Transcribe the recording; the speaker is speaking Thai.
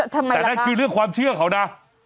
แต่นั่นคือเรื่องความเชื่อเขานะ